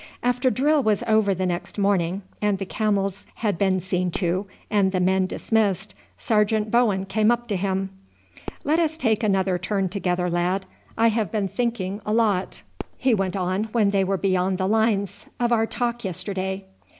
After drill was over next morning, and the camels had been seen to and the men dismissed, Sergeant Bowen came up to him "Let us take another turn together, lad. I have been thinking a lot," he went on when they were beyond the lines, "of our talk yesterday.